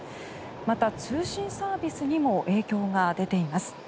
また、通信サービスにも影響が出ています。